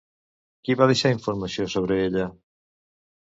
Qui va deixar informació sobre ella?